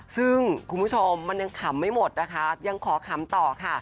ซึ่งคุณผู้ชมมันยังขำไม่หมดนะคะยังขอขำต่อค่ะ